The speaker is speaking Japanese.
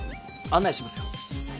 案内しますよ。